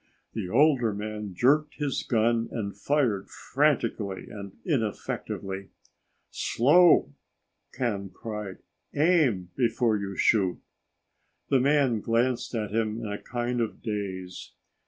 The older man jerked his gun and fired frantically and ineffectively. "Slow!" Ken cried. "Aim before you shoot!" The man glanced at him in a kind of daze.